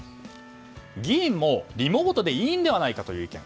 議員もリモートでいいのではないかという意見。